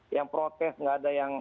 yang protes nggak ada yang